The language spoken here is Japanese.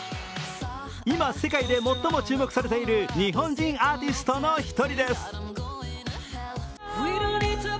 今、世界で最も注目されている日本人アーティストの一人です。